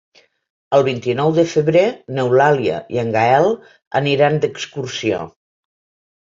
El vint-i-nou de febrer n'Eulàlia i en Gaël aniran d'excursió.